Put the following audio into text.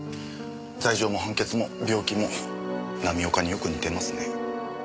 罪状も判決も病気も浪岡によく似てますね。